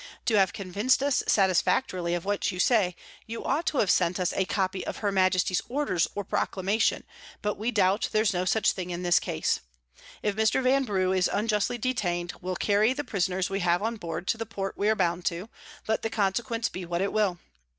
To have convinc'd us satisfactorily of what you say, you ought to have sent us a Copy of her Majesty's Orders or Proclamation; but we doubt there's no such thing in this case. If Mr. Vanbrugh is unjustly detain'd, we'll carry the Prisoners we have on board to the Port we are bound to, let the Consequence be what it will.